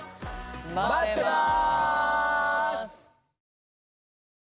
まってます！